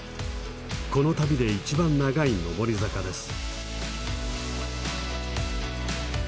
この旅で一番長い上り坂です。